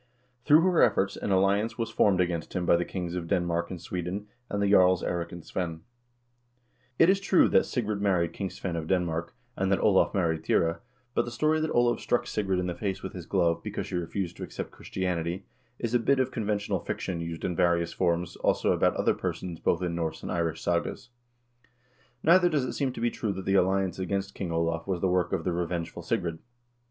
Through her efforts an alliance was formed against him by the kings of Denmark and Sweden, and the jarls Eirik and Svein. It is true that Sigrid 1 Heimskringla, Olav Tryggvasonssaga, ch. 61. OLAV TRYGGVASON 195 married King Svein of Denmark, and that Olav married Thyre, but the story that Olav struck Sigrid in the face with his glove, because she refused to accept Christianity, is a bit of conventional fiction used in various forms also about other persons both in Norse and Irish sagas. Neither does it seem to be true that the alliance against King Olav was the work of the revengeful Sigrid.